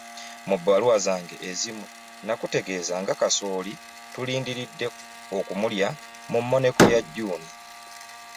Mu bbaluwa zange ezimu nnakutegeeza nga kasooli tulindiridde okumulya mu mmoneko ya June.